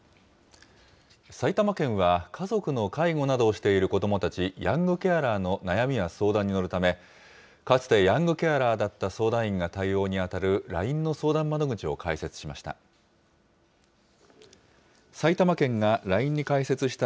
埼玉県は、家族の介護などをしている子どもたち、ヤングケアラーの悩みや相談に乗るため、かつてヤングケアラーだった相談員が対応に当たるＬＩＮＥの相談窓口を開設しました。